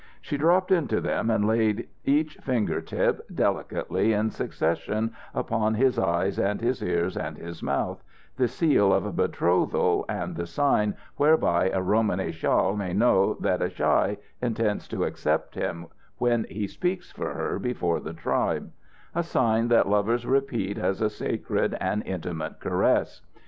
She dropped into them and laid each finger tip, delicately, in succession, upon his eyes and his ears and his mouth, the seal of a betrothal and the sign whereby a Romany chal may know that a chi intends to accept him when he speaks for her before the tribe; a sign that lovers repeat as a sacred and intimate caress.